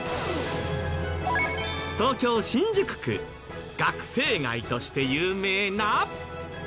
東京新宿区学生街として有名な。